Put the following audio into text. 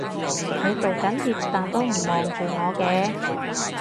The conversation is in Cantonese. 你道緊歉但都唔望住我嘅